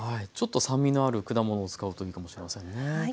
ちょっと酸味のある果物を使うといいかもしれませんね。